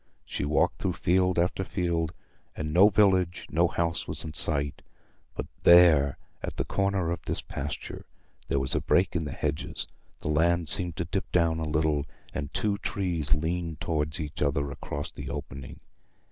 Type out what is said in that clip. She walked through field after field, and no village, no house was in sight; but there, at the corner of this pasture, there was a break in the hedges; the land seemed to dip down a little, and two trees leaned towards each other across the opening.